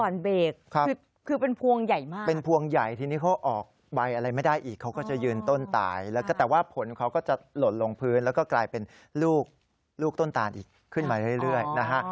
ลูกต้นตาลอีกขึ้นมาเรื่อยนะฮะ